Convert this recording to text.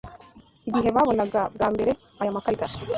Igihe babonaga bwa mbere aya makarita